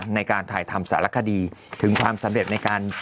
ในการถ่ายทำสารคดีถึงความสำเร็จในการ